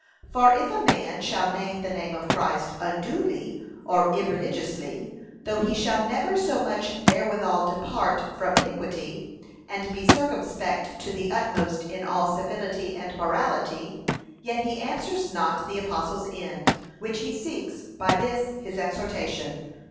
For if a man shall name the name of Christ unduly, or irreligiously, though he shall never so much therewithal depart from iniquity, and be circumspect to the utmost in all civility and morality, yet he answers not the apostle's end, which he seeks by this his exhortation.